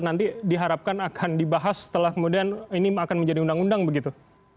nanti diharapkan akan dibahas setelah kemudian ini akan menjadi undang undang begitu